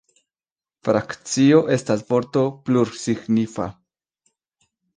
Frakcio estas vorto plursignifa.